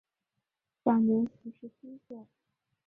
享年五十七岁。